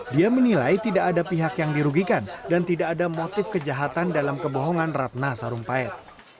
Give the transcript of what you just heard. dia menilai tidak ada pihak yang dirugikan dan tidak ada motif kejahatan dalam kebohongan ratna sarumpait